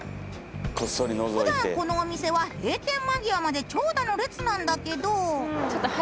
ふだんこのお店は閉店間際まで長蛇の列なんだけど。